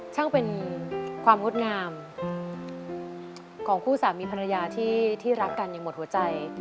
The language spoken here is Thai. ช่างเป็นความงดงามของคู่สามีภรรยาที่รักกันอย่างหมดหัวใจ